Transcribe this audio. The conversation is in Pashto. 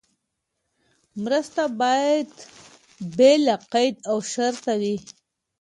مرسته باید بې له قید او شرطه وي.